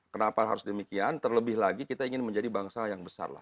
kenapa harus demikian terlebih lagi kita ingin menjadi bangsa yang besar lah